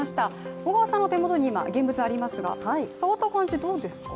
小川さんの手元に今、現物ありますが、触った感じどうですか？